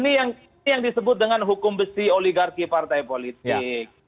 ini yang disebut dengan hukum besi oligarki partai politik